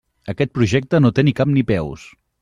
Aquest projecte no té ni cap ni peus.